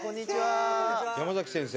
山崎先生。